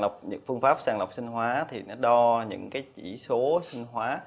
phương pháp sàn lọc sinh hóa thì nó đo những cái chỉ số sinh hóa